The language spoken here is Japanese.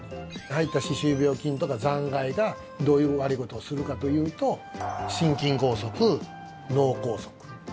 入った歯周病菌とか残骸がどういう悪いことをするかというと心筋梗塞、脳梗塞